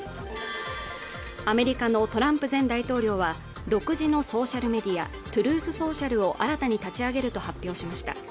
アメリカのトランプ前大統領は独自のソーシャルメディアＴＲＵＴＨＳｏｃｉａｌを新たに立ち上げると発表しました